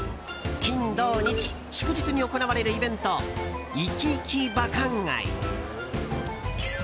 金、土、日、祝日に行われるイベント、活きいき馬関街。